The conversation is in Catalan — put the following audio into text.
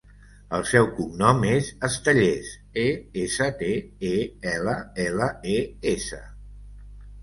El seu cognom és Estelles: e, essa, te, e, ela, ela, e, essa.